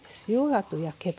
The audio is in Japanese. あと焼けば。